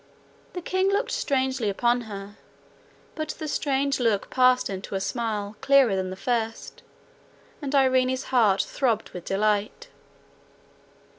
The king looked strangely upon her, but the strange look passed into a smile clearer than the first, and irene's heart throbbed with delight.